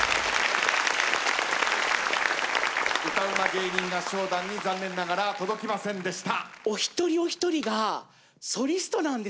歌ウマ芸人合唱団に残念ながら届きませんでした。